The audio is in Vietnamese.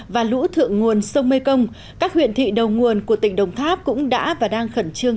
và lũ thượng nguồn sông mê công các huyện thị đầu nguồn của tỉnh đồng tháp cũng đã và đang khẩn trương